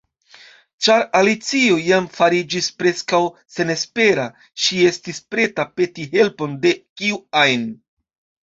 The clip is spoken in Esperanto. Ĉar Alicio jam fariĝis preskaŭ senespera, ŝi estis preta peti helpon de kiu ajn.